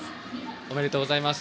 おめでとうございます。